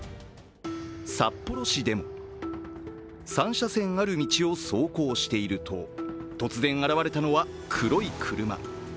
札幌市でも、３車線ある道を走行していると突然現れたのは黒い車。